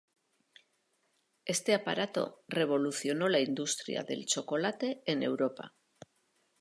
Este aparato revolucionó la industria del chocolate en Europa.